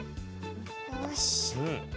よし。